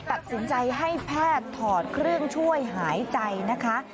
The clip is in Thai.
ตัดสินใจให้แพทย์ถอดเครื่องช่วยหายใจนะคะ